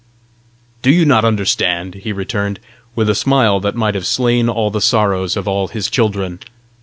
"Do you not understand?" he returned, with a smile that might have slain all the sorrows of all his children.